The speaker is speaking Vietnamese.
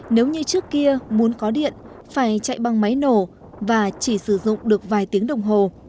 nếu như trước kia muốn có điện phải chạy bằng máy nổ và chỉ sử dụng được vài tiếng đồng hồ